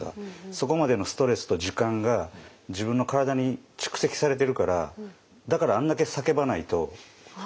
そこまでのストレスと時間が自分の体に蓄積されてるからだからあんだけ叫ばないと。